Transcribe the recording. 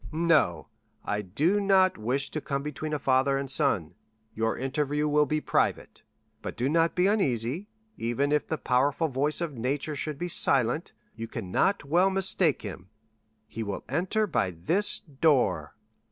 "No; I do not wish to come between a father and son. Your interview will be private. But do not be uneasy; even if the powerful voice of nature should be silent, you cannot well mistake him; he will enter by this door.